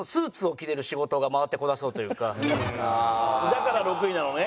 だから６位なのね。